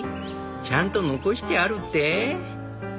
ちゃんと残してあるって？